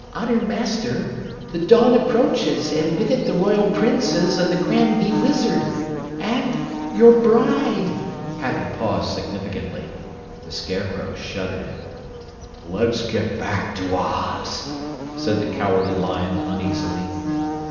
"Honored Master, the dawn approaches and with it the Royal Princes and the Grand Gheewizard and your bride!" Happy paused significantly. The Scarecrow shuddered. "Let's go back to Oz!" said the Cowardly Lion uneasily.